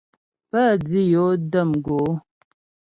Pə́ dǐ yo də̌m gǒ.